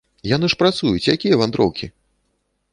Яны ж працуюць, якія вандроўкі!